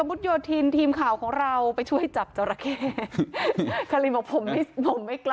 อุ๊ยมันไม่หลบเลย